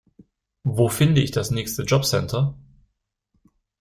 Wo finde ich das nächste Jobcenter?